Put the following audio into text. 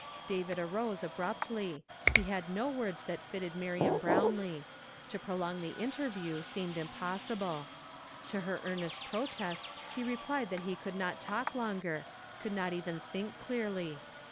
" David arose abruptly; he had no words that fitted Miriam Bro wnlee. To prolong the interview seemed impossible. To her earnest protest he re plied that he could not talk longer, could not even think clearly.